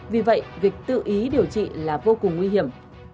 vì vậy việc tự ý điều trị là vô cùng nguy hiểm